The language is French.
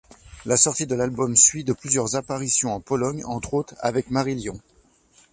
La sortie de l'album suit de plusieurs apparitions en Pologne, entre autres, avec Marillion.